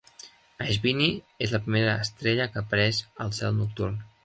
Ashvini és la primera estrella que apareix al cel nocturn.